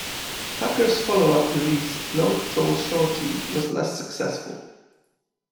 Tucker's follow-up release, "Long Tall Shorty", was less successful.